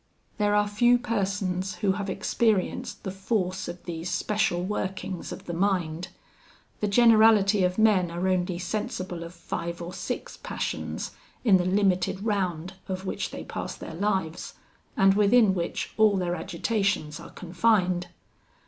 "There are few persons who have experienced the force of these special workings of the mind. The generality of men are only sensible of five or six passions, in the limited round of which they pass their lives, and within which all their agitations are confined.